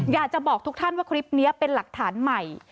อยากจะบอกทุกท่านว่าคลิปนี้เป็นหลักฐานใหม่